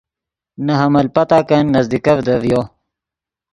نے حمل پتاکن نزدیکڤدے ڤیو۔